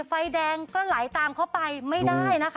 ไฟแดงก็ไหลตามเข้าไปไม่ได้นะคะ